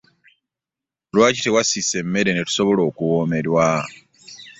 Lwaki tewasiise mmere netusobola okuwomerwa?